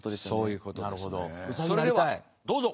それではどうぞ。